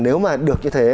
nếu mà được như thế